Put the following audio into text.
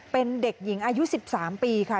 เป็นเด็กหญิงอายุ๑๓ปีค่ะ